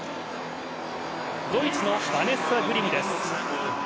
ドイツのバネッサ・グリムです。